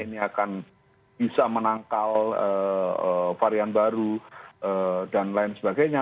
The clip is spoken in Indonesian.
ini akan bisa menangkal varian baru dan lain sebagainya